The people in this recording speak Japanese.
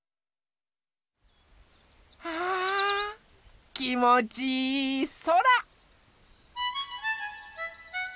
あきもちいいそら！